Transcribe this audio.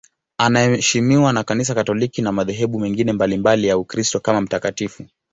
Anaheshimiwa na Kanisa Katoliki na madhehebu mengine mbalimbali ya Ukristo kama mtakatifu.